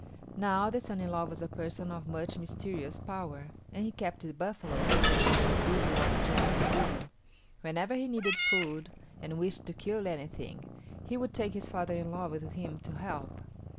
Now, the son in law was a person of much mysterious power, and he kept the buffalo hidden under a big log jam in the river. Whenever he needed food and wished to kill anything, he would take his father in law with him to help.